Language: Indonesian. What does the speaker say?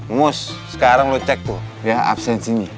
mus sekarang lo cek tuh ya absensinya